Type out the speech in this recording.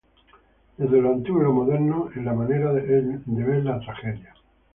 Desde lo antiguo y lo moderno, en la manera de ver la tragedia.